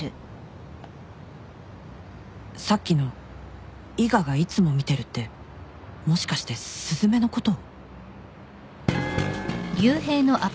さっきの伊賀が「いつも見てる」ってもしかして雀のことを？